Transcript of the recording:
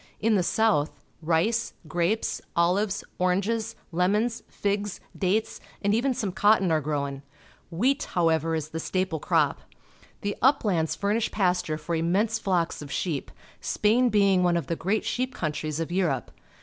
In the south, rice, grapes, olives, oranges, lemons, figs, dates, and even some cotton are gro^\n. Vilieat, however, is the staple crop. The uplands fur nish pasture for immense flocks of sheep, Spain being one of the great sheep countries of Europe.